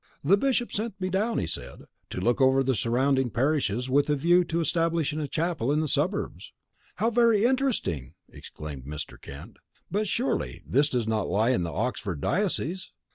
"The Bishop sent me down," he said, "to look over the surrounding parishes with a view to establishing a chapel in the suburbs." "How very interesting!" exclaimed Mr. Kent. "But surely this does not lie in the Oxford diocese?"